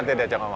nanti dia cakap